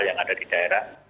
yang ada di daerah